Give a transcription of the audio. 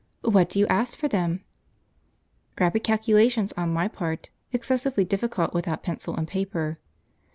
"What do you ask for them?" Rapid calculation on my part, excessively difficult without pencil and paper.